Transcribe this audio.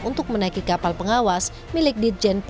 untuk menaiki kapal pengawas milik titjen psdkp